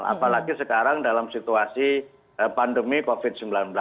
apalagi sekarang dalam situasi pandemi covid sembilan belas